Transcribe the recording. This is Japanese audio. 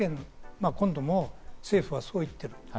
最低限、今度も政府はそう言ってる。